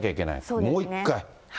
もう一回。